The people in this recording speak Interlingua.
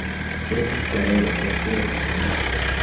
Peter pareva perplexe.